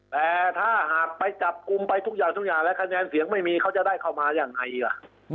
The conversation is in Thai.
แต่ถ้าหากไปจับกลุ่มไปทุกอย่างทุกอย่างแล้วคะแนนเสียงไม่มีเขาจะได้เข้ามายังไงล่ะ